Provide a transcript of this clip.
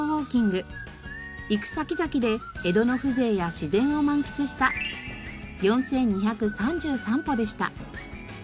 行く先々で江戸の風情や自然を満喫した４２３３歩でした。